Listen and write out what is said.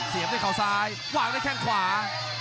เสียบได้เขาซ้ายวางได้แข้งขวา